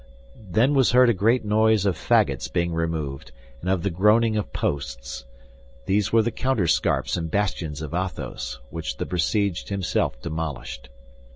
Then was heard a great noise of fagots being removed and of the groaning of posts; these were the counterscarps and bastions of Athos, which the besieged himself demolished.